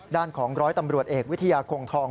ด้านของร้อยตำรวจเอกวิทยาคงทอง